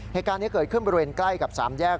เหตุการณ์นี้เกิดขึ้นบริเวณใกล้กับสามแยก